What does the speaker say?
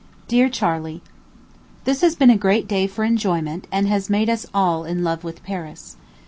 DEAR CHARLEY: This has been a great day for enjoyment, and has made us all in love with Paris.